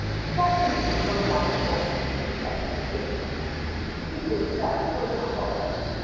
Such, indeed, were Madame's reflections with respect to the king. The sequel itself was not thought of.